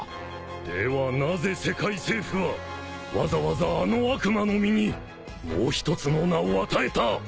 ではなぜ世界政府はわざわざあの悪魔の実にもう一つの名を与えた！？